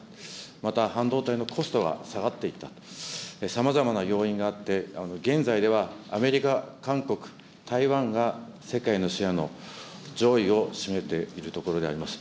また半導体のコストが下がっていったと、さまざまな要因があって、現在ではアメリカ、韓国、台湾が世界のシェアの上位を占めているところであります。